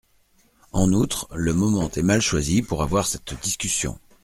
En outre, le moment est mal choisi pour avoir cette discussion.